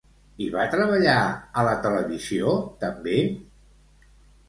I va treballar a la televisió també?